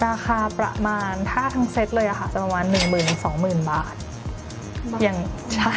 ราคาประมาณถ้าทั้งเซตเลยค่ะจะประมาณหนึ่งหมื่นสองหมื่นบาท